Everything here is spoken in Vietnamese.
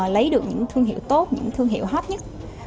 lấy được những thương hiệu tốt những thương hiệu hot nhất